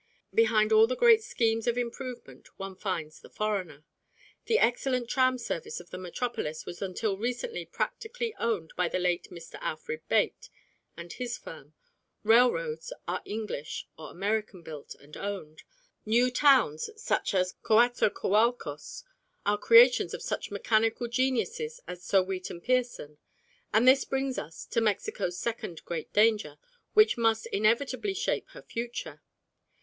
Behind all the great schemes of improvement one finds the foreigner. The excellent tram service of the metropolis was until recently practically owned by the late Mr. Alfred Beit and his firm; railroads are English or American built and owned; new towns such as Coatzocoalcos are creations of such mechanical geniuses as Sir Weetman Pearson. And this brings us to Mexico's second great danger, which must inevitably shape her future.